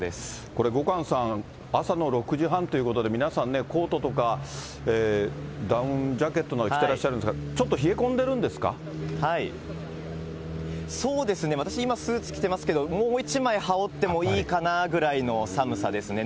これ後閑さん、朝の６時半ということで、皆さんね、コートとかダウンジャケットなど着てらっしゃるんですけど、ちょそうですね、私、今、スーツ着てますけど、もう１枚はおってもいいかなぐらいの寒さですね。